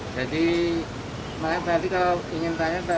jadi nanti kalau ingin tanya ingin tahu